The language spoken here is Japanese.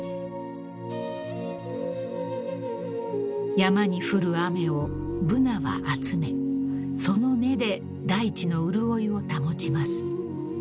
［山に降る雨をブナは集めその根で大地の潤いを保ちます］